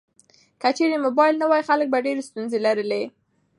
که چیرې موبایل نه وای، خلک به ډیر ستونزې لرلې.